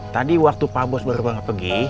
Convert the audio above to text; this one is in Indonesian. tadi waktu pak bos baru pergi